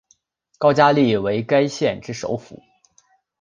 高加力为该县之首府。